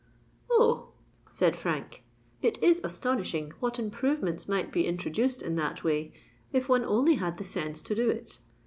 "Oh!" said Frank, "it is astonishing what improvements might be introduced in that way, if one only had the sense to do it.